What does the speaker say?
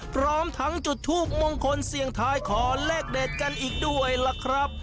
พร้อมทั้งจุดทูปมงคลเสียงทายขอเลขเด็ดกันอีกด้วยล่ะครับ